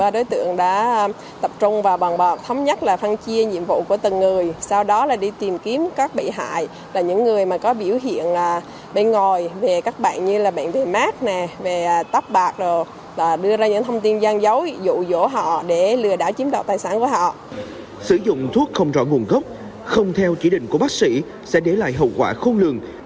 sử dụng thuốc không rõ nguồn gốc không theo chỉ định của bác sĩ sẽ để lại hậu quả khôn lường